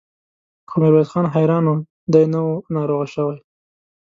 خو ميرويس خان حيران و، دی نه و ناروغه شوی.